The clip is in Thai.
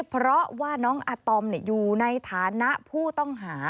เพราะว่าน้องอาตอมอยู่ในฐานะผู้ต้องหา